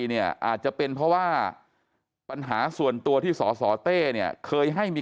เนี่ยอาจจะเป็นเพราะว่าปัญหาส่วนตัวที่สสเต้เนี่ยเคยให้มี